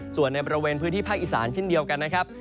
ส่วนในบริเวณพื้นที่ภาคอีสานเช่นเดียวกันนะครับ